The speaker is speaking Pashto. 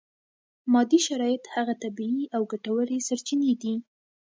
مادي شرایط هغه طبیعي او ګټورې سرچینې دي.